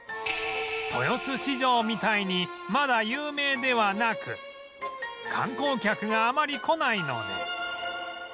豊洲市場みたいにまだ有名ではなく観光客があまり来ないので